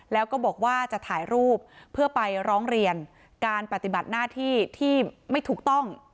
แล้วก็บอกว่าจะถ่ายรูปเพื่อไปร้องเรียนการปฏิบัติหน้าที่ที่ไม่ถูกต้อง